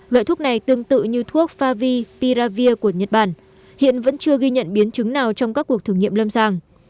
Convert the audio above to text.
loại thuốc này tương tự như thuốc favi piravir của nhật bản hiện vẫn chưa ghi nhận biến chứng nào trong các cuộc thử nghiệm lâm sàng